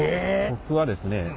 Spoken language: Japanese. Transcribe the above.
僕はですね